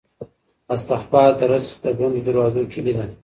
استغفار د رزق د بندو دروازو کیلي ده.